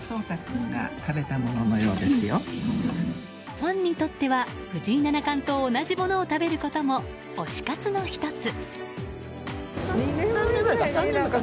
ファンにとっては、藤井七冠と同じものを食べることも推し活の１つ。